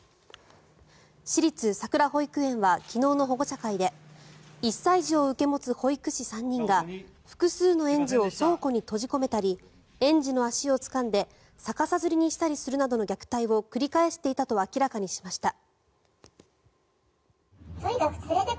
私立さくら保育園は昨日の保護者会で１歳児を受け持つ保育士３人が複数の園児を倉庫に閉じ込めたり園児の足をつかんで逆さづりにしたりするなどの虐待を繰り返していたと明らかにしました。